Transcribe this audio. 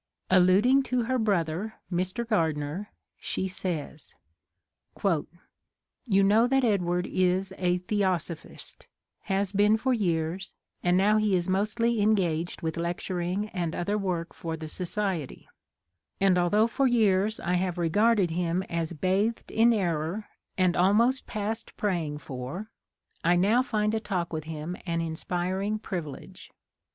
Alluding to her brother Mr. Gardner, she says: You know that Edward is a Theosophist, has been for years, and now he is mostly en gaged with lecturing and other work for the Society — ^and although for years I have 15 THE COMING OF THE FAIRIES regarded him as bathed in error and almost past praying for, I now find a talk with him an inspiring privilege.